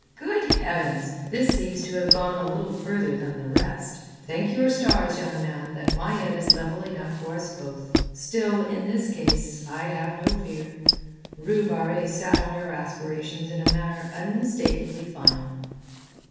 Good heavens! This seems to have gone a little further than the rest. Thank your stars, young man, that my head is level enough for us both. Still, in this case, I have no fear. Rue Barrée sat on your aspirations in a manner unmistakably final."